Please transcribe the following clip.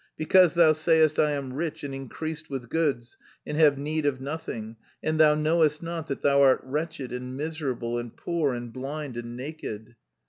"'Because thou sayest, I am rich and increased with goods, and have need of nothing: and thou knowest not that thou art wretched, and miserable, and poor, and blind, and naked.'"